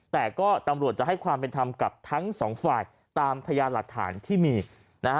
แต่ก็ตำรวจจะให้ความเป็นธรรมกับทั้งสองฝ่ายตามพยานหลักฐานที่มีนะฮะ